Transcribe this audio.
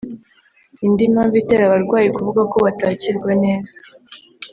Indi mpamvu itera abarwayi kuvuga ko batakirwa neza